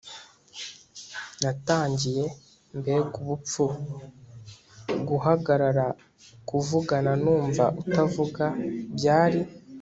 natangiye. mbega ubupfu guhagarara kuvugana numva utavuga. byari